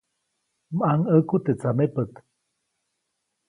ʼMaŋʼäku teʼ tsamepät.